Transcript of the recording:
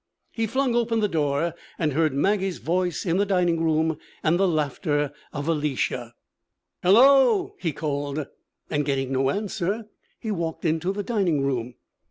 He flung open the door and heard Maggie's voice in the dining room and the laughter of Alicia. 'Hallo!' he called; and getting no answer, he walked into the dining room.